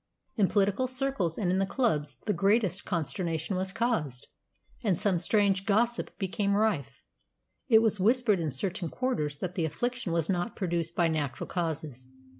In political circles and in the clubs the greatest consternation was caused, and some strange gossip became rife. It was whispered in certain quarters that the affliction was not produced by natural causes.